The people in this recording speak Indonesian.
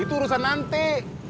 itu urusan nanti